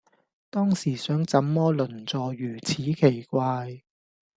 當時想怎麼鄰座如此奇怪